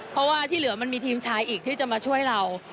เพราะว่าที่เหลือมันมีทีมชายอีกที่จะมาช่วยเรา